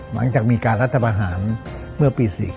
หลังจากมีการรัฐประหารเมื่อปี๔๙